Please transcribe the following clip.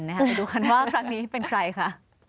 ไปดูกันว่าครั้งนี้เป็นใครค่ะ